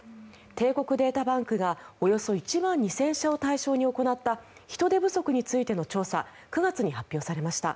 帝国データバンクがおよそ１万２０００社を対象に行った人手不足についての調査９月に発表されました。